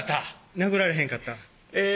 殴られへんかったええ